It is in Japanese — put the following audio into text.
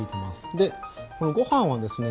でご飯はですね